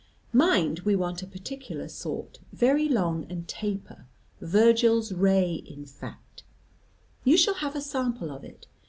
Mind we want a particular sort, very long and taper Virgil's 'Ray,' in fact. You shall have a sample of it.